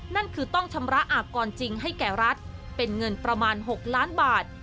นั่นคือต้องชำระอากรจริงให้แก่รัฐเป็นเงินประมาณ๖ล้านบาท